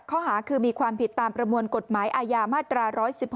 ข้อหาคือมีความผิดตามประมวลกฎหมายอาญามาตรา๑๑๖